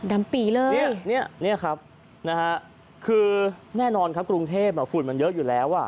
ปีเลยเนี่ยครับนะฮะคือแน่นอนครับกรุงเทพฝุ่นมันเยอะอยู่แล้วอ่ะ